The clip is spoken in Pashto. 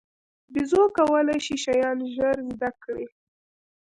بیزو کولای شي شیان ژر زده کړي.